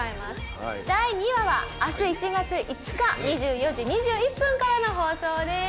第２話は明日１月５日２４時２１分からの放送です。